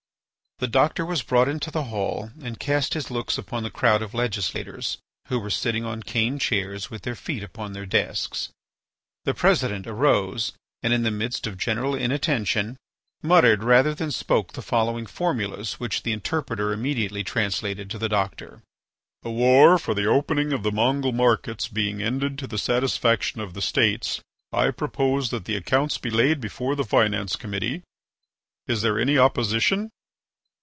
The doctor was brought into the hall and cast his looks upon the crowd of legislators who were sitting on cane chairs with their feet upon their desks. The president arose and, in the midst of general inattention, muttered rather than spoke the following formulas which the interpreter immediately translated to the doctor. "The war for the opening of the Mongol markets being ended to the satisfaction of the States, I propose that the accounts be laid before the finance committee ...." "Is there any opposition?